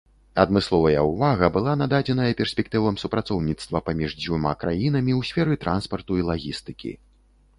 Адмысловая ўвага была нададзеная перспектывам супрацоўніцтва паміж дзвюма краінамі ў сферы транспарту і лагістыкі.